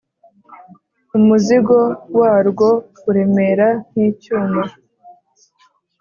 umuzigo warwo uremera nk’icyuma,